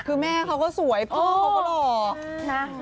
คือแม่เขาก็สวยพ่อเขาก็หล่อนะ